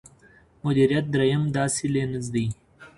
مديريت درېيم داسې لينز دی.